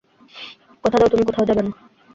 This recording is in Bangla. কথা দাও, তুমি কোথাও যাবে না।